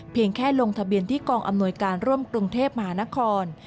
แค่ลงทะเบียนที่กองอำนวยการร่วมกรุงเทพมหานคร